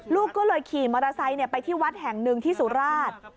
ลูกก็เลยขี่มอเตอร์ไซค์ไปที่วัดแห่งหนึ่งที่สุราช